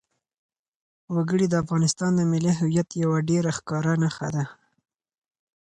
وګړي د افغانستان د ملي هویت یوه ډېره ښکاره نښه ده.